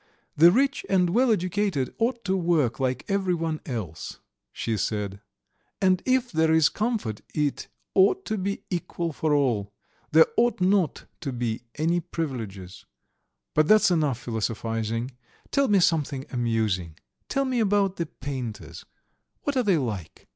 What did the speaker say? "The rich and well educated ought to work like everyone else," she said, "and if there is comfort it ought to be equal for all. There ought not to be any privileges. But that's enough philosophizing. Tell me something amusing. Tell me about the painters. What are they like?